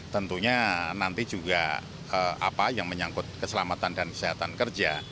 tentunya nanti juga apa yang menyangkut keselamatan dan kesehatan kerja